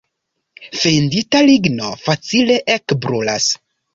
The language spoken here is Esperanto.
Fendita ligno facile ekbrulas.